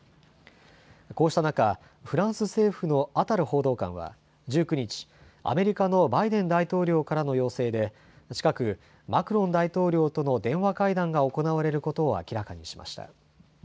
こうした中、フランス政府のアタル報道官は１９日、アメリカのバイデン大統領からの要請で、近く、マクロン大統領との電話会談が行われることを明らかにしました。